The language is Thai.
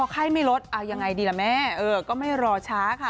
ไข้ไม่ลดเอายังไงดีล่ะแม่ก็ไม่รอช้าค่ะ